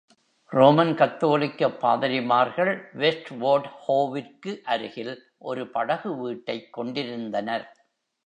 Roman கத்தோலிக்கப் பாதிரிமார்கள் Westward Ho விற்கு அருகில் ஒரு படகு வீட்டைக் கொண்டிருந்தனர்.